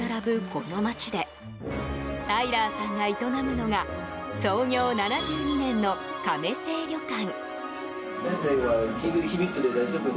この町でタイラーさんが営むのが創業７２年の亀清旅館。